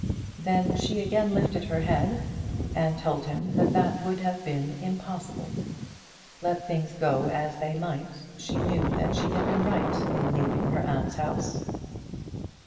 Then she again lifted her head, and told him that that would have been impossible. Let things go as they might, she knew that she had been right in leaving her aunt's house.